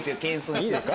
いいんですか？